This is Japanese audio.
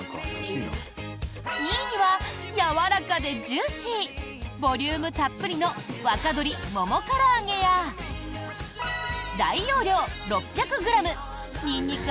２位にはやわらかでジューシーボリュームたっぷりの若鶏ももから揚げや大容量６００ｇニンニク